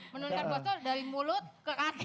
menurunkan botol dari mulut ke kaki